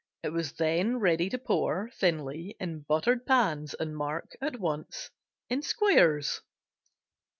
It was then ready to pour (thinly) in buttered pans and mark, at once, in squares.